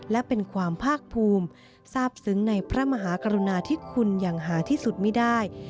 และเป็นความภาคภูมิทราบซึ้งในพระมหากรุณาที่คุณอย่างหาที่สุดไม่ได้